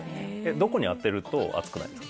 どこに当てると熱くないんですか？